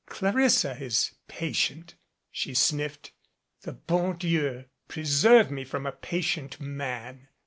"Clarissa is patient," she sniffed. "The bon Dieu pre serve me from the patient man."